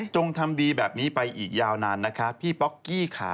ทำดีแบบนี้ไปอีกยาวนานนะคะพี่ป๊อกกี้ค่ะ